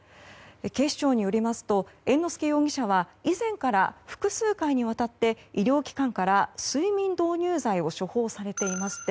警視庁によりますと猿之助容疑者は以前から複数回にわたって医療機関から睡眠導入剤を処方されていまして